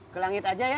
ke langit aja ya